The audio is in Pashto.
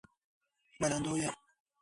منندوی یم